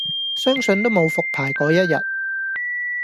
相信都無復牌果一日